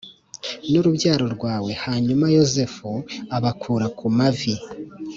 nurubyaro rwawe Hanyuma Yozefu abakura ku mavi